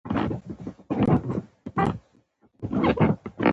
خولۍ د بې حیايۍ مخه نیسي.